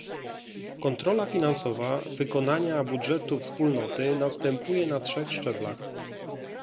Kontrola finansowa wykonania budżetu Wspólnoty następuje na trzech szczeblach